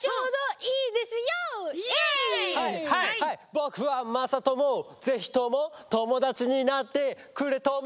ぼくはまさともぜひともともだちになってくれとも！